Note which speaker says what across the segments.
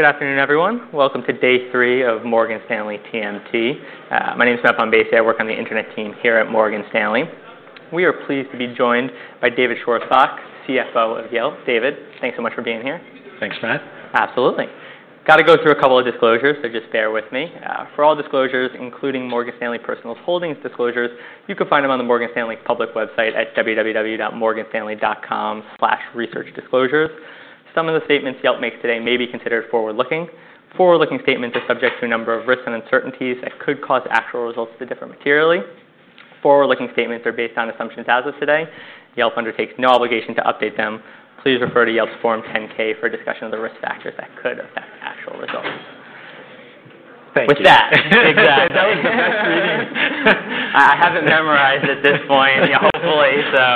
Speaker 1: Good afternoon, everyone. Welcome to day three of Morgan Stanley TMT. My name's Matt von Baesty. I work on the Internet team here at Morgan Stanley. We are pleased to be joined by David Schwarzbach, CFO of Yelp. David, thanks so much for being here.
Speaker 2: Thanks, Matt.
Speaker 1: Absolutely. Got to go through a couple of disclosures, so just bear with me. For all disclosures, including Morgan Stanley Personal Holdings disclosures, you can find them on the Morgan Stanley public website at www.morganstanley.com/researchdisclosures. Some of the statements Yelp makes today may be considered forward-looking. Forward-looking statements are subject to a number of risks and uncertainties that could cause actual results to differ materially. Forward-looking statements are based on assumptions as of today. Yelp undertakes no obligation to update them. Please refer to Yelp's Form 10-K for discussion of the risk factors that could affect actual results.
Speaker 2: Thank you.
Speaker 1: With that, exactly.
Speaker 2: That was the best reading.
Speaker 1: I haven't memorized it at this point. Hopefully so.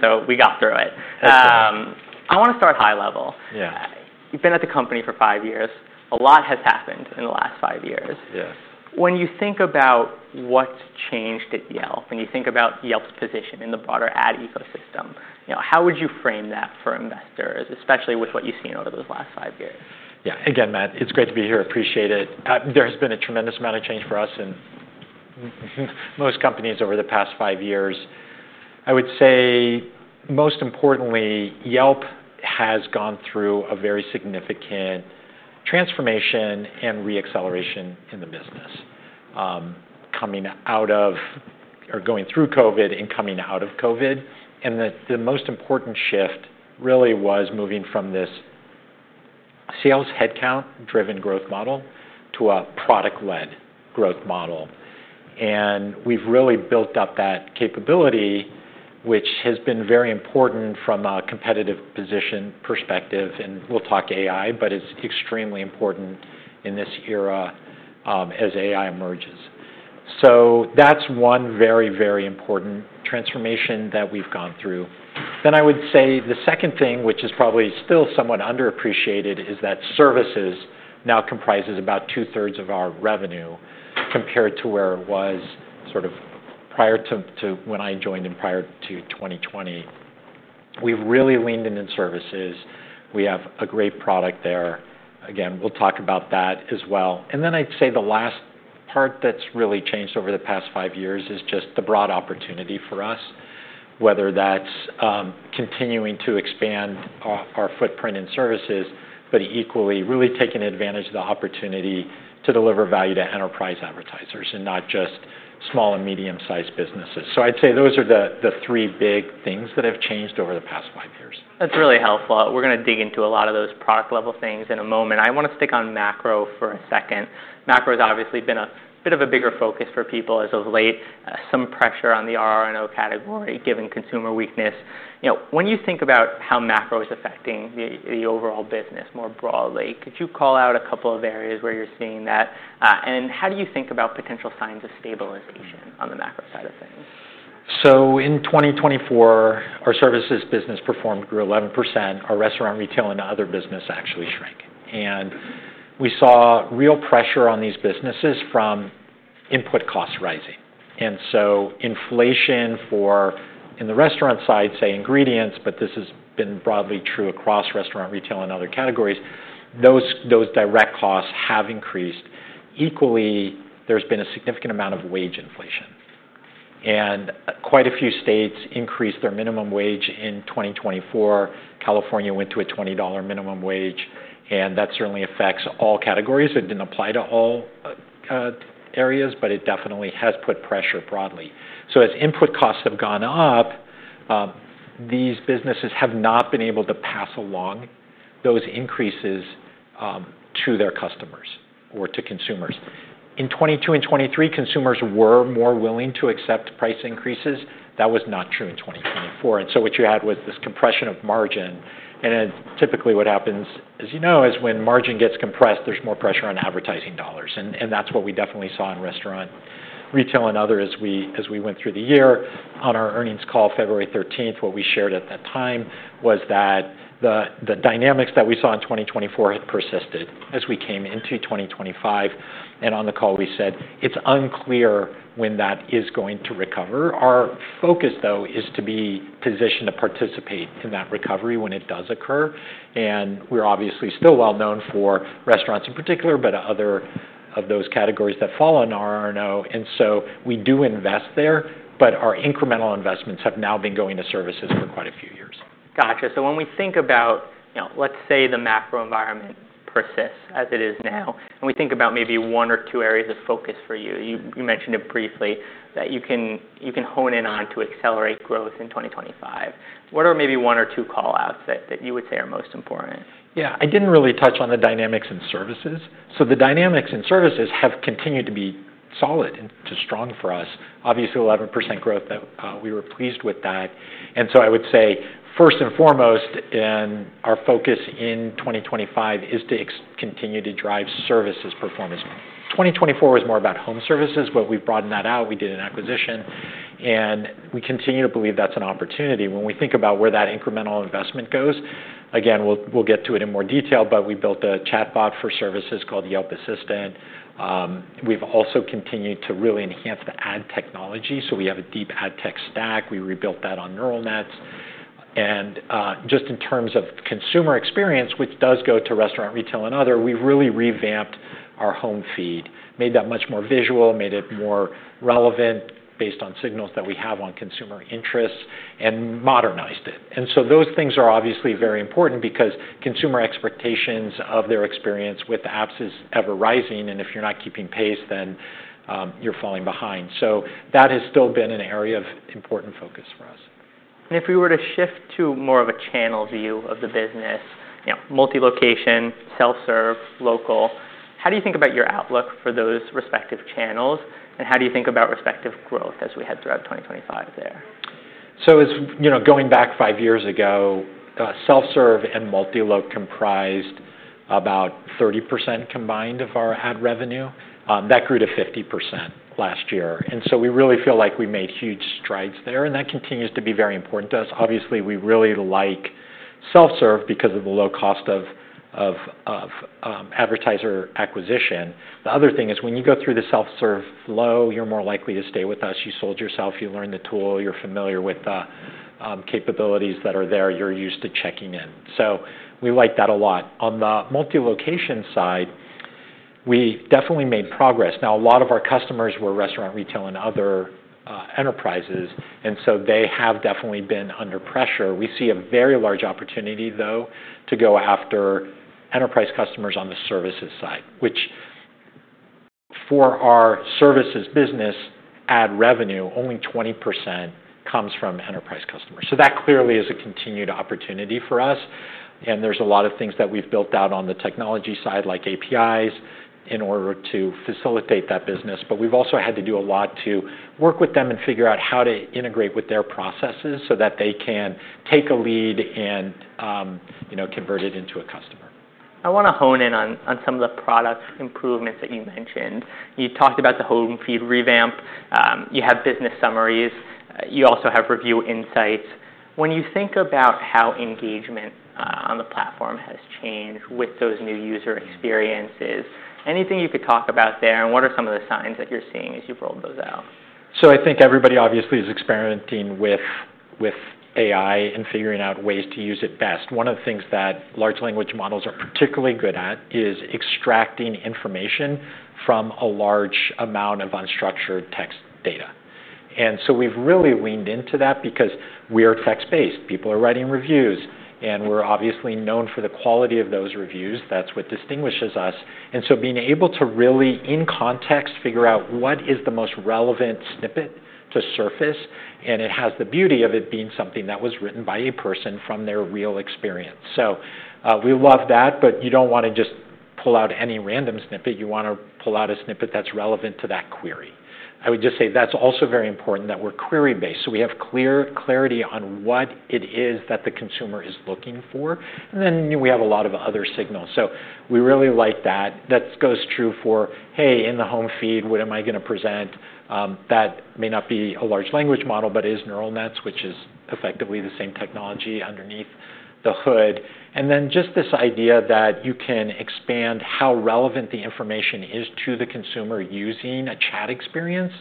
Speaker 1: So we got through it.
Speaker 2: That's good.
Speaker 1: I want to start high level.
Speaker 2: Yeah.
Speaker 1: You've been at the company for five years. A lot has happened in the last five years.
Speaker 2: Yes.
Speaker 1: When you think about what's changed at Yelp, when you think about Yelp's position in the broader ad ecosystem, how would you frame that for investors, especially with what you've seen over those last five years?
Speaker 2: Yeah. Again, Matt, it's great to be here. I appreciate it. There has been a tremendous amount of change for us in most companies over the past five years. I would say, most importantly, Yelp has gone through a very significant transformation and re-acceleration in the business, coming out of or going through COVID and coming out of COVID, and the most important shift really was moving from this sales headcount-driven growth model to a product-led growth model, and we've really built up that capability, which has been very important from a competitive position perspective, and we'll talk AI, but it's extremely important in this era as AI emerges, so that's one very, very important transformation that we've gone through. Then I would say the second thing, which is probably still somewhat underappreciated, is that Services now comprises about two-thirds of our revenue compared to where it was sort of prior to when I joined and prior to 2020. We've really leaned in on Services. We have a great product there. Again, we'll talk about that as well. And then I'd say the last part that's really changed over the past five years is just the broad opportunity for us, whether that's continuing to expand our footprint in Services, but equally really taking advantage of the opportunity to deliver value to enterprise advertisers and not just small and medium-sized businesses. So I'd say those are the three big things that have changed over the past five years.
Speaker 1: That's really helpful. We're going to dig into a lot of those product-level things in a moment. I want to stick on macro for a second. Macro has obviously been a bit of a bigger focus for people as of late, some pressure on the R&O category given consumer weakness. When you think about how macro is affecting the overall business more broadly, could you call out a couple of areas where you're seeing that? And how do you think about potential signs of stabilization on the macro side of things?
Speaker 2: In 2024, our services business grew 11%. Our Restaurant, Retail, & Other business actually shrank, and we saw real pressure on these businesses from input costs rising, and so inflation for, in the restaurant side, say, ingredients, but this has been broadly true across Restaurant, Retail, & Other categories. Those direct costs have increased. Equally, there's been a significant amount of wage inflation, and quite a few states increased their minimum wage in 2024. California went to a $20 minimum wage, and that certainly affects all categories. It didn't apply to all areas, but it definitely has put pressure broadly, so as input costs have gone up, these businesses have not been able to pass along those increases to their customers or to consumers. In 2022 and 2023, consumers were more willing to accept price increases. That was not true in 2024. And so what you had was this compression of margin. And typically what happens, as you know, is when margin gets compressed, there's more pressure on advertising dollars. And that's what we definitely saw in Restaurant, Retail, and Other as we went through the year. On our earnings call, February 13, what we shared at that time was that the dynamics that we saw in 2024 had persisted as we came into 2025. And on the call, we said it's unclear when that is going to recover. Our focus, though, is to be positioned to participate in that recovery when it does occur. And we're obviously still well known for restaurants in particular, but other of those categories that fall under R&O. And so we do invest there, but our incremental investments have now been going to services for quite a few years.
Speaker 1: Gotcha. So when we think about, let's say, the macro environment persists as it is now, and we think about maybe one or two areas of focus for you, you mentioned it briefly, that you can hone in on to accelerate growth in 2025. What are maybe one or two callouts that you would say are most important?
Speaker 2: Yeah. I didn't really touch on the dynamics in services. So the dynamics in services have continued to be solid and robust for us. Obviously, 11% growth, we were pleased with that. And so I would say, first and foremost, our focus in 2025 is to continue to drive services performance. 2024 was more about home services. When we broadened that out, we did an acquisition. And we continue to believe that's an opportunity. When we think about where that incremental investment goes, again, we'll get to it in more detail, but we built a chatbot for services called Yelp Assistant. We've also continued to really enhance the ad technology. So we have a deep ad tech stack. We rebuilt that on neural nets. And just in terms of consumer experience, which does go to Restaurant, Retail, and Other, we really revamped our Home Feed, made that much more visual, made it more relevant based on signals that we have on consumer interests, and modernized it. And so those things are obviously very important because consumer expectations of their experience with apps is ever-rising. And if you're not keeping pace, then you're falling behind. So that has still been an area of important focus for us.
Speaker 1: And if we were to shift to more of a channel view of the business, multi-location, self-serve, local, how do you think about your outlook for those respective channels? And how do you think about respective growth as we head throughout 2025 there?
Speaker 2: So going back five years ago, self-serve and multi-loc comprised about 30% combined of our ad revenue. That grew to 50% last year. And so we really feel like we made huge strides there. And that continues to be very important to us. Obviously, we really like self-serve because of the low cost of advertiser acquisition. The other thing is when you go through the self-serve flow, you're more likely to stay with us. You sold yourself. You learned the tool. You're familiar with the capabilities that are there. You're used to checking in. So we like that a lot. On the multi-location side, we definitely made progress. Now, a lot of our customers were restaurant retail and other enterprises. And so they have definitely been under pressure. We see a very large opportunity, though, to go after enterprise customers on the services side, which for our services business ad revenue, only 20% comes from enterprise customers, so that clearly is a continued opportunity for us, and there's a lot of things that we've built out on the technology side, like APIs, in order to facilitate that business, but we've also had to do a lot to work with them and figure out how to integrate with their processes so that they can take a lead and convert it into a customer.
Speaker 1: I want to hone in on some of the product improvements that you mentioned. You talked about the Home Feed revamp. You have business summaries. You also have review insights. When you think about how engagement on the platform has changed with those new user experiences, anything you could talk about there? And what are some of the signs that you're seeing as you've rolled those out?
Speaker 2: I think everybody obviously is experimenting with AI and figuring out ways to use it best. One of the things that large language models are particularly good at is extracting information from a large amount of unstructured text data. We've really leaned into that because we are text-based. People are writing reviews. We're obviously known for the quality of those reviews. That's what distinguishes us. Being able to really, in context, figure out what is the most relevant snippet to surface. It has the beauty of it being something that was written by a person from their real experience. We love that, but you don't want to just pull out any random snippet. You want to pull out a snippet that's relevant to that query. I would just say that's also very important that we're query-based. So we have clear clarity on what it is that the consumer is looking for. And then we have a lot of other signals. So we really like that. That goes true for, hey, in the Home Feed, what am I going to present? That may not be a large language model, but it is neural nets, which is effectively the same technology underneath the hood. And then just this idea that you can expand how relevant the information is to the consumer using a chat experience,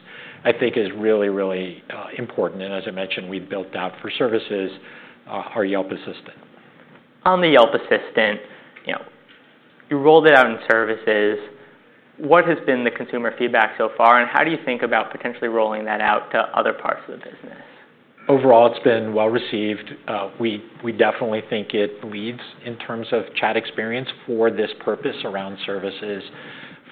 Speaker 2: I think, is really, really important. And as I mentioned, we've built out for services our Yelp Assistant.
Speaker 1: On the Yelp Assistant, you rolled it out in services. What has been the consumer feedback so far? And how do you think about potentially rolling that out to other parts of the business?
Speaker 2: Overall, it's been well received. We definitely think it leads in terms of chat experience for this purpose around services.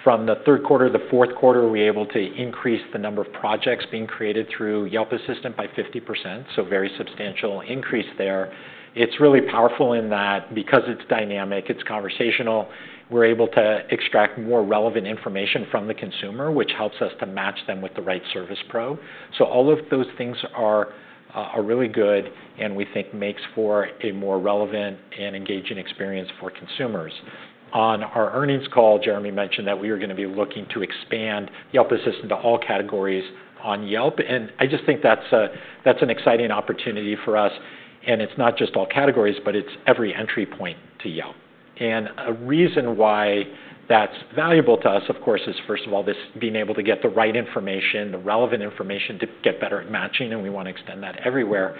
Speaker 2: From the third quarter to the fourth quarter, we were able to increase the number of projects being created through Yelp Assistant by 50%. So very substantial increase there. It's really powerful in that because it's dynamic, it's conversational, we're able to extract more relevant information from the consumer, which helps us to match them with the right service pro. So all of those things are really good and we think makes for a more relevant and engaging experience for consumers. On our earnings call, Jeremy mentioned that we were going to be looking to expand Yelp Assistant to all categories on Yelp. And I just think that's an exciting opportunity for us. And it's not just all categories, but it's every entry point to Yelp. A reason why that's valuable to us, of course, is, first of all, this being able to get the right information, the relevant information to get better at matching. We want to extend that everywhere.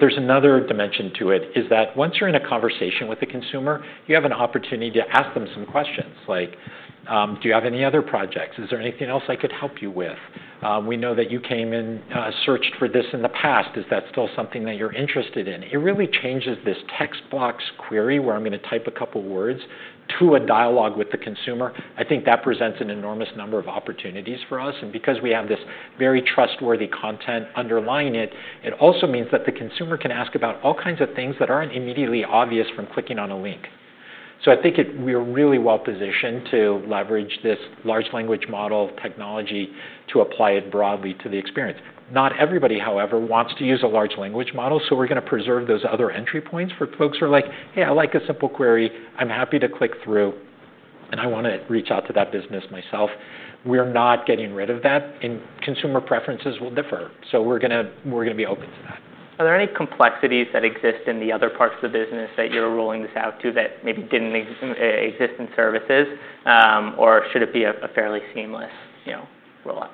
Speaker 2: There's another dimension to it is that once you're in a conversation with the consumer, you have an opportunity to ask them some questions like, do you have any other projects? Is there anything else I could help you with? We know that you came and searched for this in the past. Is that still something that you're interested in? It really changes this text box query where I'm going to type a couple of words to a dialogue with the consumer. I think that presents an enormous number of opportunities for us. Because we have this very trustworthy content underlying it, it also means that the consumer can ask about all kinds of things that aren't immediately obvious from clicking on a link. I think we're really well positioned to leverage this large language model technology to apply it broadly to the experience. Not everybody, however, wants to use a large language model. We're going to preserve those other entry points for folks who are like, hey, I like a simple query. I'm happy to click through. And I want to reach out to that business myself. We're not getting rid of that. Consumer preferences will differ. We're going to be open to that.
Speaker 1: Are there any complexities that exist in the other parts of the business that you're rolling this out to that maybe didn't exist in services? Or should it be a fairly seamless rollout?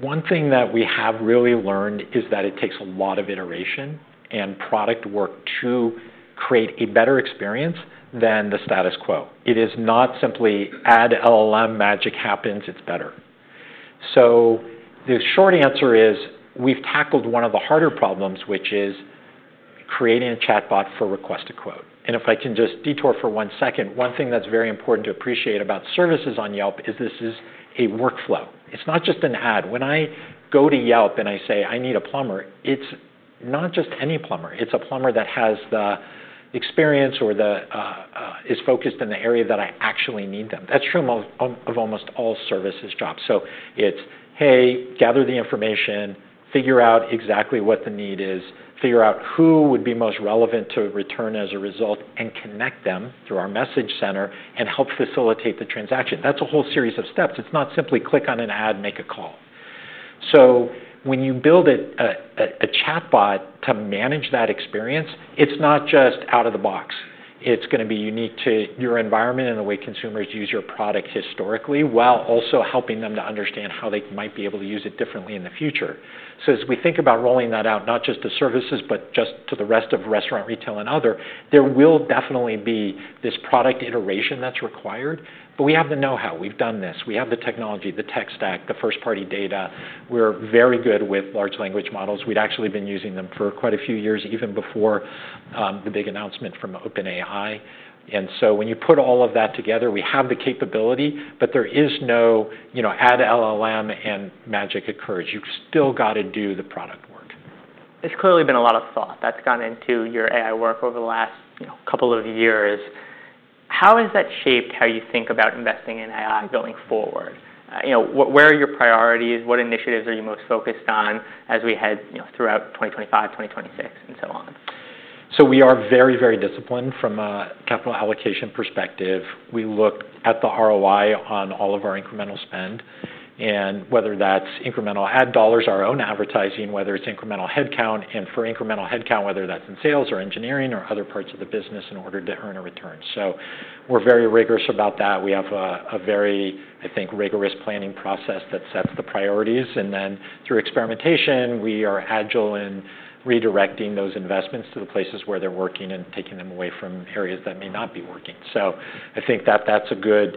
Speaker 2: One thing that we have really learned is that it takes a lot of iteration and product work to create a better experience than the status quo. It is not simply add LLM magic happens, it's better. So the short answer is we've tackled one of the harder problems, which is creating a chatbot for Request a Quote. And if I can just detour for one second, one thing that's very important to appreciate about services on Yelp is this is a workflow. It's not just an ad. When I go to Yelp and I say, I need a plumber, it's not just any plumber. It's a plumber that has the experience or is focused in the area that I actually need them. That's true of almost all services jobs. So it's, hey, gather the information, figure out exactly what the need is, figure out who would be most relevant to return as a result, and connect them through our Message Center and help facilitate the transaction. That's a whole series of steps. It's not simply click on an ad, make a call. So when you build a chatbot to manage that experience, it's not just out of the box. It's going to be unique to your environment and the way consumers use your product historically while also helping them to understand how they might be able to use it differently in the future. So as we think about rolling that out, not just to services, but just to the rest of restaurant retail and other, there will definitely be this product iteration that's required. But we have the know-how. We've done this. We have the technology, the tech stack, the first-party data. We're very good with large language models. We've actually been using them for quite a few years, even before the big announcement from OpenAI. And so when you put all of that together, we have the capability, but there is no "add LLM and magic occurs." You've still got to do the product work.
Speaker 1: It's clearly been a lot of thought that's gone into your AI work over the last couple of years. How has that shaped how you think about investing in AI going forward? Where are your priorities? What initiatives are you most focused on as we head throughout 2025, 2026, and so on?
Speaker 2: So we are very, very disciplined from a capital allocation perspective. We look at the ROI on all of our incremental spend, and whether that's incremental ad dollars, our own advertising, whether it's incremental headcount, and for incremental headcount, whether that's in sales or engineering or other parts of the business in order to earn a return. So we're very rigorous about that. We have a very, I think, rigorous planning process that sets the priorities. And then through experimentation, we are agile in redirecting those investments to the places where they're working and taking them away from areas that may not be working. So I think that that's a good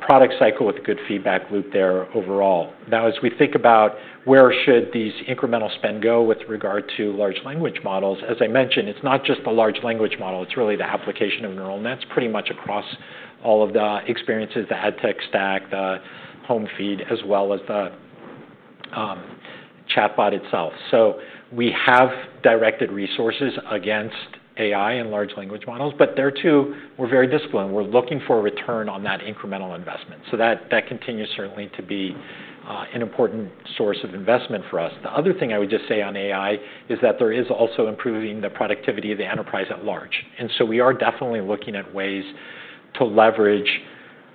Speaker 2: product cycle with good feedback loop there overall. Now, as we think about where should these incremental spend go with regard to large language models, as I mentioned, it's not just the large language model. It's really the application of neural nets pretty much across all of the experiences, the ad tech stack, the Home Feed, as well as the chatbot itself. So we have directed resources against AI and large language models, but there too we're very disciplined. We're looking for a return on that incremental investment. So that continues certainly to be an important source of investment for us. The other thing I would just say on AI is that there is also improving the productivity of the enterprise at large. And so we are definitely looking at ways to leverage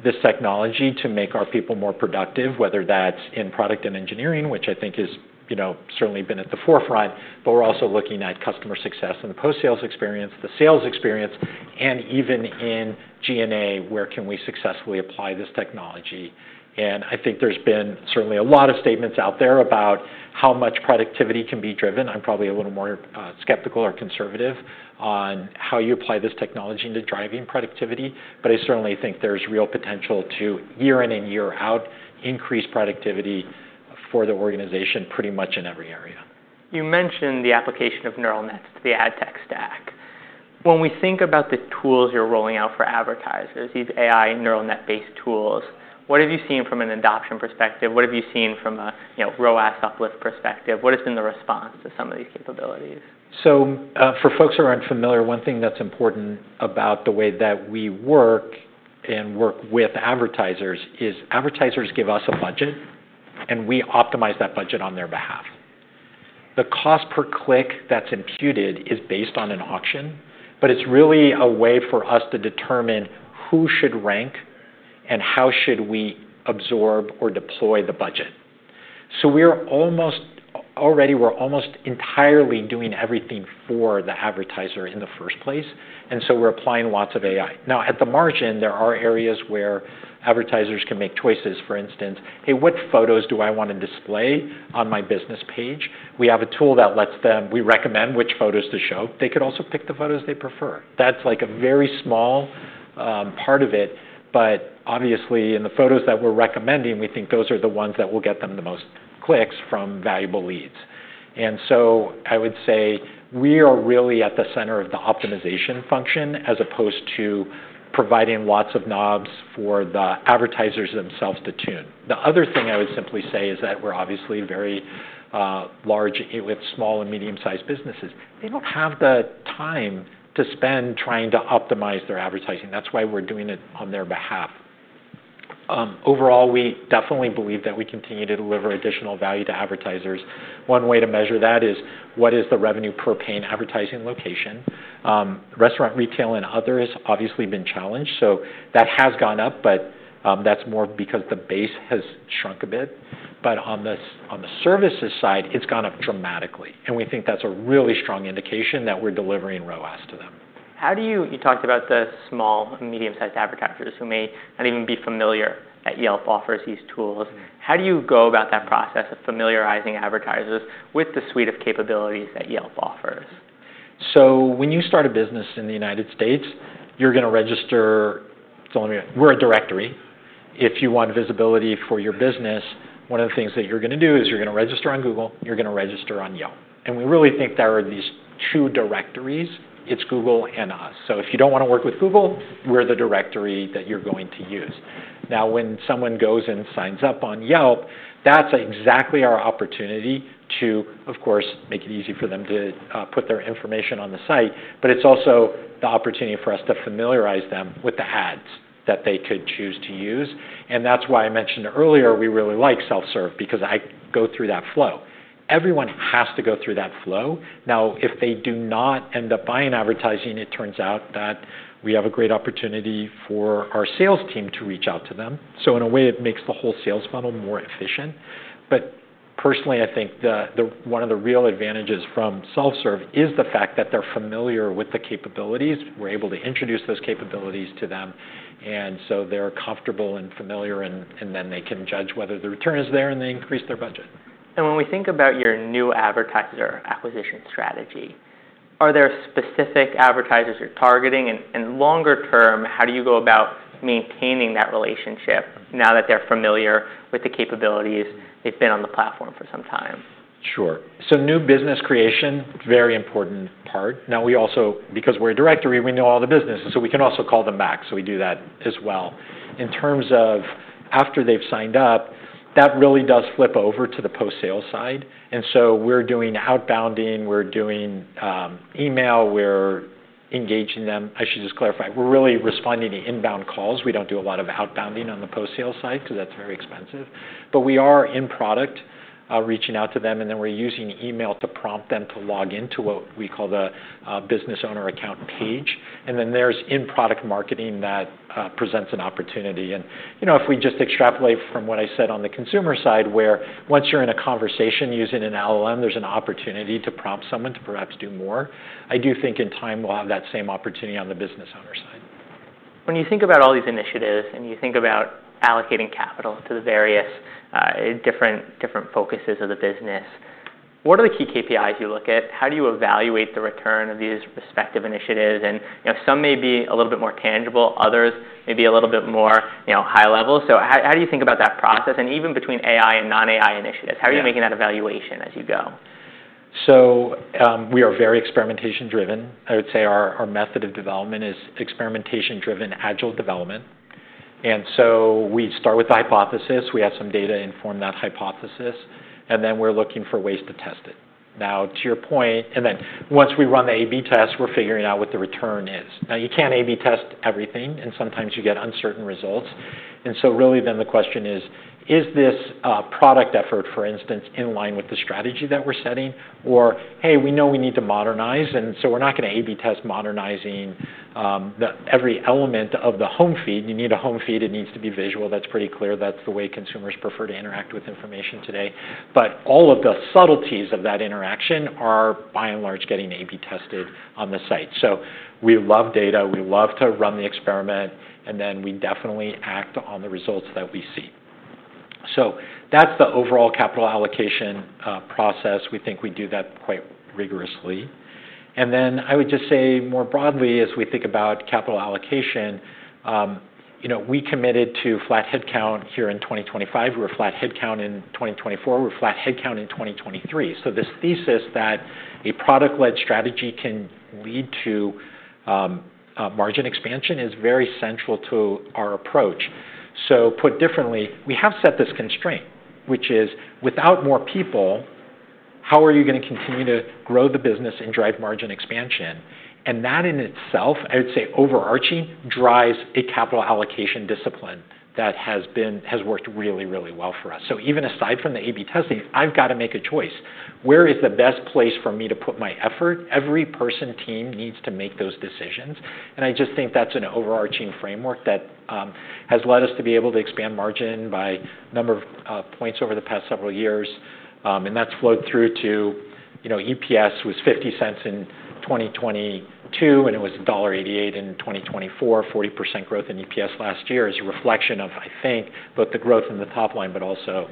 Speaker 2: this technology to make our people more productive, whether that's in product and engineering, which I think has certainly been at the forefront, but we're also looking at customer success and the post-sales experience, the sales experience, and even in G&A, where can we successfully apply this technology? And I think there's been certainly a lot of statements out there about how much productivity can be driven. I'm probably a little more skeptical or conservative on how you apply this technology into driving productivity, but I certainly think there's real potential to year in and year out increase productivity for the organization pretty much in every area.
Speaker 1: You mentioned the application of neural nets to the ad tech stack. When we think about the tools you're rolling out for advertisers, these AI neural net-based tools, what have you seen from an adoption perspective? What have you seen from a ROAS uplift perspective? What has been the response to some of these capabilities?
Speaker 2: So for folks who are unfamiliar, one thing that's important about the way that we work and work with advertisers is advertisers give us a budget, and we optimize that budget on their behalf. The cost per click that's imputed is based on an auction, but it's really a way for us to determine who should rank and how should we absorb or deploy the budget. So we're almost already, we're almost entirely doing everything for the advertiser in the first place. And so we're applying lots of AI. Now, at the margin, there are areas where advertisers can make choices. For instance, hey, what photos do I want to display on my business page? We have a tool that lets them recommend which photos to show. They could also pick the photos they prefer. That's like a very small part of it. But obviously, in the photos that we're recommending, we think those are the ones that will get them the most clicks from valuable leads. And so I would say we are really at the center of the optimization function as opposed to providing lots of knobs for the advertisers themselves to tune. The other thing I would simply say is that we're obviously very large with small and medium-sized businesses. They don't have the time to spend trying to optimize their advertising. That's why we're doing it on their behalf. Overall, we definitely believe that we continue to deliver additional value to advertisers. One way to measure that is what is the revenue per paid advertising location? Restaurant, retail, and others have obviously been challenged. So that has gone up, but that's more because the base has shrunk a bit. But on the services side, it's gone up dramatically. We think that's a really strong indication that we're delivering ROAS to them.
Speaker 1: How do you talk about the small and medium-sized advertisers who may not even be familiar that Yelp offers these tools? How do you go about that process of familiarizing advertisers with the suite of capabilities that Yelp offers?
Speaker 2: When you start a business in the United States, you're going to register. We're a directory. If you want visibility for your business, one of the things that you're going to do is you're going to register on Google. You're going to register on Yelp, and we really think there are these two directories. It's Google and us, so if you don't want to work with Google, we're the directory that you're going to use. Now, when someone goes and signs up on Yelp, that's exactly our opportunity to, of course, make it easy for them to put their information on the site, but it's also the opportunity for us to familiarize them with the ads that they could choose to use, and that's why I mentioned earlier we really like self-serve because I go through that flow. Everyone has to go through that flow. Now, if they do not end up buying advertising, it turns out that we have a great opportunity for our sales team to reach out to them. So in a way, it makes the whole sales funnel more efficient. But personally, I think one of the real advantages from self-serve is the fact that they're familiar with the capabilities. We're able to introduce those capabilities to them. And so they're comfortable and familiar, and then they can judge whether the return is there and they increase their budget.
Speaker 1: And when we think about your new advertiser acquisition strategy, are there specific advertisers you're targeting? And longer term, how do you go about maintaining that relationship now that they're familiar with the capabilities? They've been on the platform for some time.
Speaker 2: Sure, so new business creation, very important part. Now, we also, because we're a directory, we know all the businesses. So we can also call them back. So we do that as well. In terms of after they've signed up, that really does flip over to the post-sales side, and so we're doing outbounding. We're doing email. We're engaging them. I should just clarify. We're really responding to inbound calls. We don't do a lot of outbounding on the post-sales side because that's very expensive. But we are in product reaching out to them, and then we're using email to prompt them to log into what we call the Business Owner Account page, and then there's in-product marketing that presents an opportunity. If we just extrapolate from what I said on the consumer side, where once you're in a conversation using an LLM, there's an opportunity to prompt someone to perhaps do more, I do think in time we'll have that same opportunity on the business owner side.
Speaker 1: When you think about all these initiatives and you think about allocating capital to the various different focuses of the business, what are the key KPIs you look at? How do you evaluate the return of these respective initiatives? And some may be a little bit more tangible. Others may be a little bit more high level. So how do you think about that process? And even between AI and non-AI initiatives, how are you making that evaluation as you go?
Speaker 2: So we are very experimentation-driven. I would say our method of development is experimentation-driven agile development. And so we start with the hypothesis. We have some data informed that hypothesis. And then we're looking for ways to test it. Now, to your point, and then once we run the A/B test, we're figuring out what the return is. Now, you can't A/B test everything, and sometimes you get uncertain results. And so really then the question is, is this product effort, for instance, in line with the strategy that we're setting? Or, hey, we know we need to modernize, and so we're not going to A/B test modernizing every element of the Home Feed. You need a Home Feed. It needs to be visual. That's pretty clear. That's the way consumers prefer to interact with information today. But all of the subtleties of that interaction are, by and large, getting A/B tested on the site. So we love data. We love to run the experiment. And then we definitely act on the results that we see. So that's the overall capital allocation process. We think we do that quite rigorously. And then I would just say more broadly, as we think about capital allocation, we committed to flat headcount here in 2025. We were flat headcount in 2024. We were flat headcount in 2023. So this thesis that a product-led strategy can lead to margin expansion is very central to our approach. So put differently, we have set this constraint, which is without more people, how are you going to continue to grow the business and drive margin expansion? That in itself, I would say overarching, drives a capital allocation discipline that has worked really, really well for us. So even aside from the A/B testing, I've got to make a choice. Where is the best place for me to put my effort? Every person, team needs to make those decisions. And I just think that's an overarching framework that has led us to be able to expand margin by a number of points over the past several years. And that's flowed through to EPS was $0.50 in 2022, and it was $1.88 in 2024, 40% growth in EPS last year as a reflection of, I think, both the growth in the top line, but also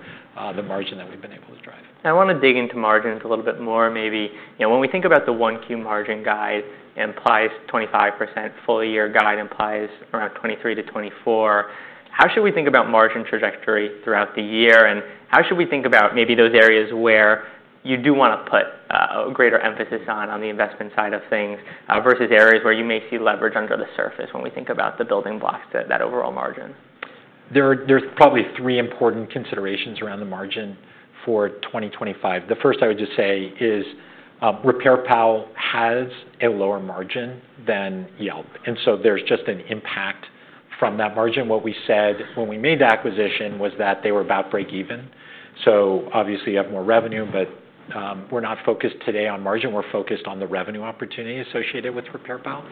Speaker 2: the margin that we've been able to drive.
Speaker 1: I want to dig into margins a little bit more. Maybe when we think about the Q1 margin guide implies 25% full-year guide implies around 23%-24%, how should we think about margin trajectory throughout the year, and how should we think about maybe those areas where you do want to put a greater emphasis on the investment side of things versus areas where you may see leverage under the surface when we think about the building blocks to that overall margin?
Speaker 2: There's probably three important considerations around the margin for 2025. The first I would just say is RepairPal has a lower margin than Yelp. And so there's just an impact from that margin. What we said when we made the acquisition was that they were about break-even. So obviously you have more revenue, but we're not focused today on margin. We're focused on the revenue opportunity associated with RepairPal.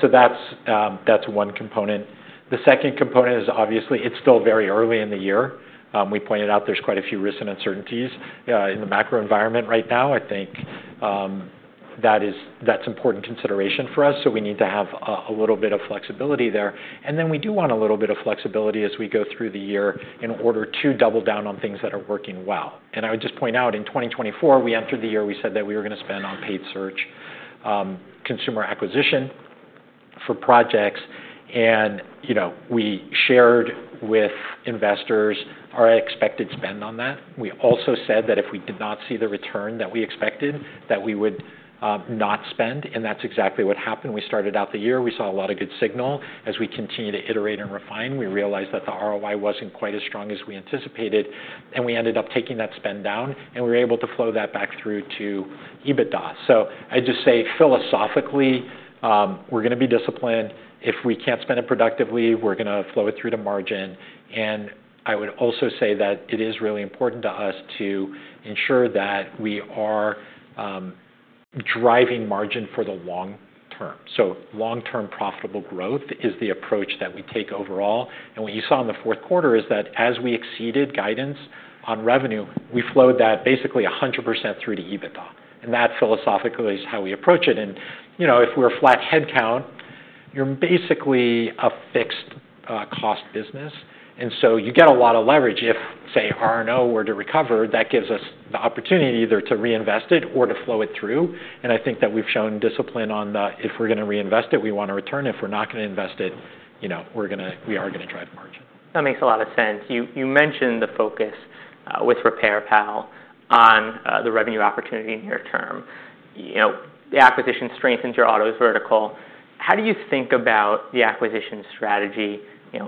Speaker 2: So that's one component. The second component is obviously it's still very early in the year. We pointed out there's quite a few risks and uncertainties in the macro environment right now. I think that's an important consideration for us. So we need to have a little bit of flexibility there. And then we do want a little bit of flexibility as we go through the year in order to double down on things that are working well. And I would just point out, in 2024, we entered the year. We said that we were going to spend on paid search, consumer acquisition for projects. And we shared with investors our expected spend on that. We also said that if we did not see the return that we expected, that we would not spend. And that's exactly what happened. We started out the year. We saw a lot of good signal. As we continue to iterate and refine, we realized that the ROI wasn't quite as strong as we anticipated. And we ended up taking that spend down. And we were able to flow that back through to EBITDA. So I'd just say philosophically, we're going to be disciplined. If we can't spend it productively, we're going to flow it through to margin. And I would also say that it is really important to us to ensure that we are driving margin for the long term. So long-term profitable growth is the approach that we take overall. And what you saw in the fourth quarter is that as we exceeded guidance on revenue, we flowed that basically 100% through to EBITDA. And that philosophically is how we approach it. And if we're flat headcount, you're basically a fixed cost business. And so you get a lot of leverage. If, say, R&O were to recover, that gives us the opportunity either to reinvest it or to flow it through. And I think that we've shown discipline on that. If we're going to reinvest it, we want a return. If we're not going to invest it, we are going to drive margin.
Speaker 1: That makes a lot of sense. You mentioned the focus with RepairPal on the revenue opportunity near term. The acquisition strengthens your autos vertical. How do you think about the acquisition strategy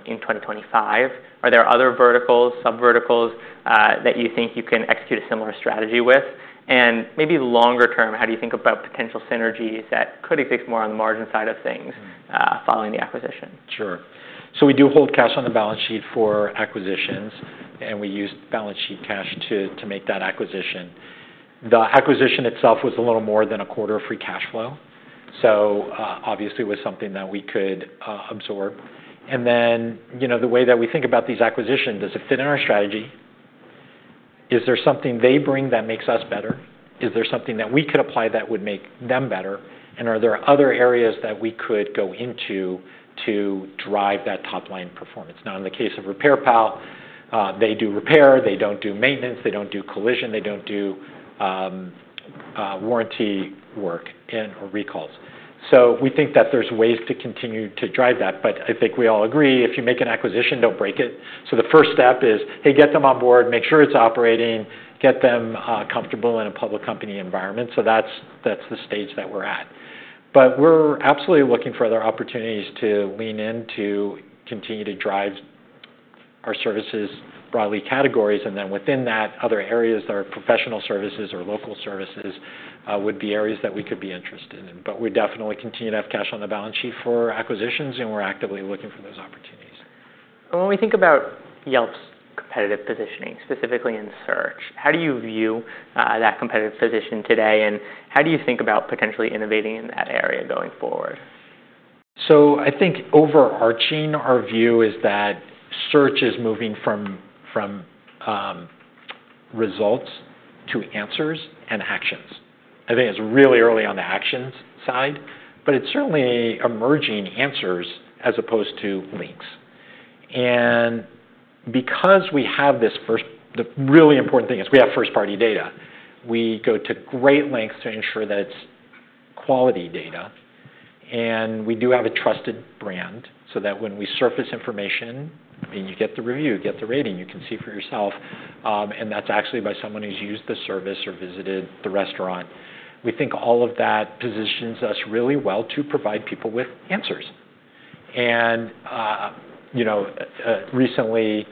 Speaker 1: in 2025? Are there other verticals, subverticals that you think you can execute a similar strategy with? And maybe longer term, how do you think about potential synergies that could exist more on the margin side of things following the acquisition?
Speaker 2: Sure. So we do hold cash on the balance sheet for acquisitions. And we used balance sheet cash to make that acquisition. The acquisition itself was a little more than a quarter of free cash flow. So obviously it was something that we could absorb. And then the way that we think about these acquisitions, does it fit in our strategy? Is there something they bring that makes us better? Is there something that we could apply that would make them better? And are there other areas that we could go into to drive that top line performance? Now, in the case of RepairPal, they do repair. They don't do maintenance. They don't do collision. They don't do warranty work and/or recalls. So we think that there's ways to continue to drive that. But I think we all agree, if you make an acquisition, don't break it. So the first step is, they, get them on board, make sure it's operating, get them comfortable in a public company environment. So that's the stage that we're at. But we're absolutely looking for other opportunities to lean in to continue to drive our services broad categories. And then within that, other areas that are professional services or local services would be areas that we could be interested in. But we definitely continue to have cash on the balance sheet for acquisitions. And we're actively looking for those opportunities.
Speaker 1: When we think about Yelp's competitive positioning, specifically in search, how do you view that competitive position today? How do you think about potentially innovating in that area going forward?
Speaker 2: So I think overarching our view is that search is moving from results to answers and actions. I think it's really early on the actions side, but it's certainly emerging answers as opposed to links. And because we have this first, the really important thing is we have first-party data. We go to great lengths to ensure that it's quality data. And we do have a trusted brand so that when we surface information, and you get the review, get the rating, you can see for yourself. And that's actually by someone who's used the service or visited the restaurant. We think all of that positions us really well to provide people with answers. And recently,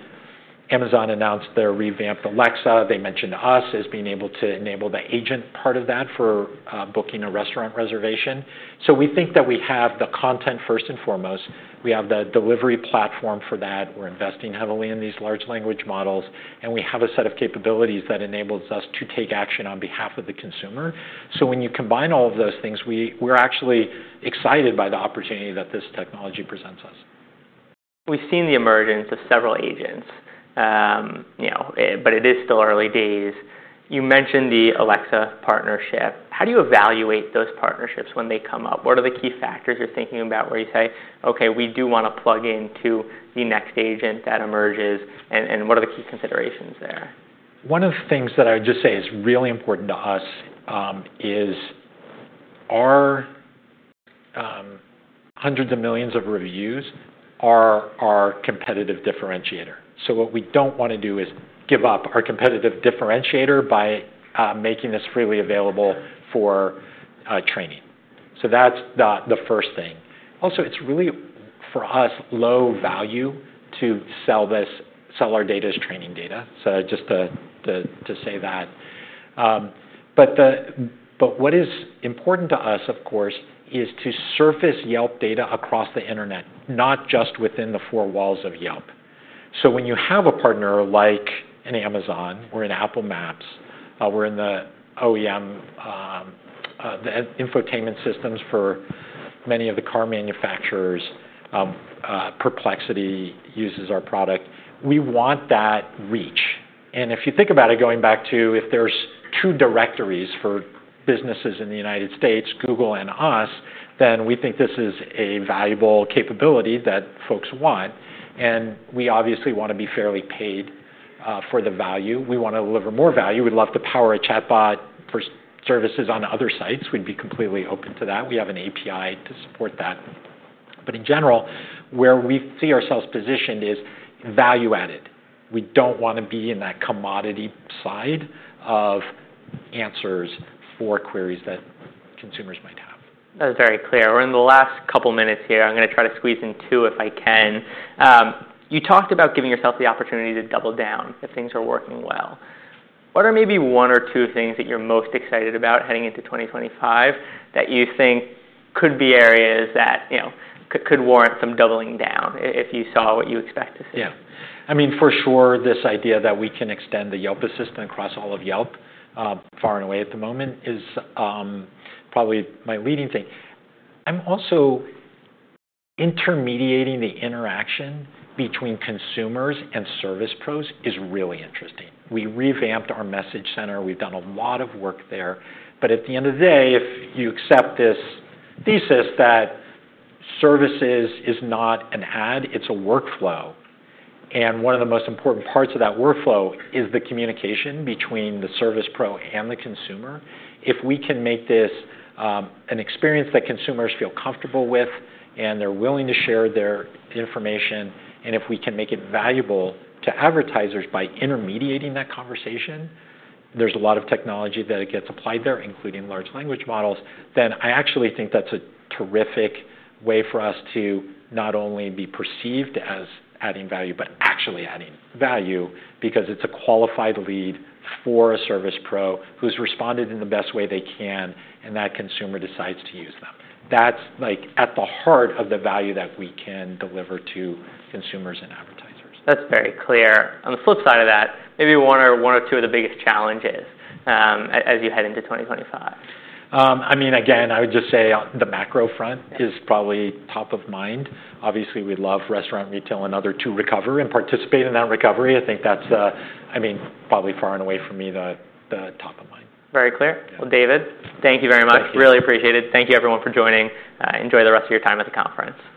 Speaker 2: Amazon announced their revamped Alexa. They mentioned us as being able to enable the agent part of that for booking a restaurant reservation. So we think that we have the content first and foremost. We have the delivery platform for that. We're investing heavily in these large language models. And we have a set of capabilities that enables us to take action on behalf of the consumer. So when you combine all of those things, we're actually excited by the opportunity that this technology presents us.
Speaker 1: We've seen the emergence of several agents, but it is still early days. You mentioned the Alexa partnership. How do you evaluate those partnerships when they come up? What are the key factors you're thinking about where you say, okay, we do want to plug into the next agent that emerges? And what are the key considerations there?
Speaker 2: One of the things that I would just say is really important to us is our hundreds of millions of reviews are our competitive differentiator. So what we don't want to do is give up our competitive differentiator by making this freely available for training. So that's the first thing. Also, it's really for us low value to sell our data as training data. So just to say that. But what is important to us, of course, is to surface Yelp data across the internet, not just within the four walls of Yelp. So when you have a partner like an Amazon or an Apple Maps, we're in the OEM, the infotainment systems for many of the car manufacturers. Perplexity uses our product. We want that reach. And if you think about it, going back to if there's two directories for businesses in the United States, Google and us, then we think this is a valuable capability that folks want. And we obviously want to be fairly paid for the value. We want to deliver more value. We'd love to power a chatbot for services on other sites. We'd be completely open to that. We have an API to support that. But in general, where we see ourselves positioned is value added. We don't want to be in that commodity side of answers for queries that consumers might have.
Speaker 1: That is very clear. We're in the last couple of minutes here. I'm going to try to squeeze in two if I can. You talked about giving yourself the opportunity to double down if things are working well. What are maybe one or two things that you're most excited about heading into 2025 that you think could be areas that could warrant some doubling down if you saw what you expect to see?
Speaker 2: Yeah. I mean, for sure, this idea that we can extend the Yelp Assistant across all of Yelp, far and away at the moment, is probably my leading thing. I'm also intermediating the interaction between consumers and service pros is really interesting. We revamped our Message Center. We've done a lot of work there. But at the end of the day, if you accept this thesis that services is not an ad, it's a workflow. And one of the most important parts of that workflow is the communication between the service pro and the consumer. If we can make this an experience that consumers feel comfortable with and they're willing to share their information, and if we can make it valuable to advertisers by intermediating that conversation, there's a lot of technology that gets applied there, including large language models, then I actually think that's a terrific way for us to not only be perceived as adding value, but actually adding value because it's a qualified lead for a service pro who's responded in the best way they can, and that consumer decides to use them. That's at the heart of the value that we can deliver to consumers and advertisers.
Speaker 1: That's very clear. On the flip side of that, maybe one or two of the biggest challenges as you head into 2025?
Speaker 2: I mean, again, I would just say the macro front is probably top of mind. Obviously, we'd love Restaurant, Retail, and Other to recover and participate in that recovery. I think that's, I mean, probably far and away for me the top of mind.
Speaker 1: Very clear. Well, David, thank you very much. Really appreciate it. Thank you, everyone, for joining. Enjoy the rest of your time at the conference.